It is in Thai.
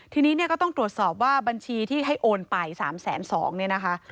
ทีนี้เนี่ยก็ต้องตรวจสอบว่าบัญชีที่ให้โอนไป๓๒๐๐เนี่ยนะคะ